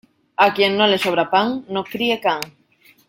A quien no le sobra pan, no críe can.